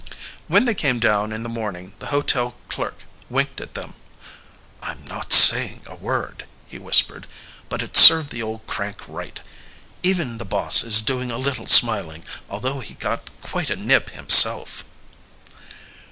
When they came down in the morning the hotel clerk winked at them. "I'm not saying a word," he whispered. "But it served the old crank right. Even the boss is doing a little smiling, although he got quite a nip himself."